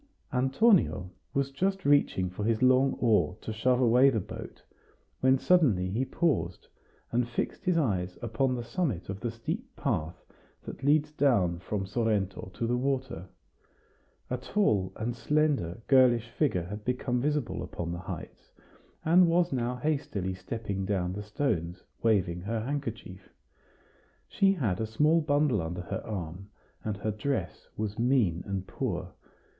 Antonio was just reaching for his long oar to shove away the boat, when suddenly he paused, and fixed his eyes upon the summit of the steep path that leads down from Sorrento to the water. A tall and slender girlish figure had become visible upon the heights, and was now hastily stepping down the stones, waving her handkerchief She had a small bundle under her arm, and her dress was mean and poor.